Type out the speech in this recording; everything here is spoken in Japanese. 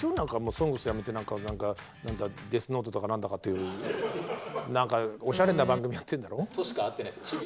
「ＳＯＮＧＳ」やめて「ＤＥＡＴＨＮＯＴＥ」とかなんだかっていう、なんかおしゃれな番組やってるんだろ？